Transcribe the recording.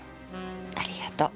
ありがとう。